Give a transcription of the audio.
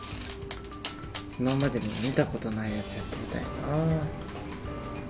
今までに見たことないやつやってみたいな。